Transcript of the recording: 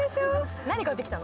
何買ってきたの？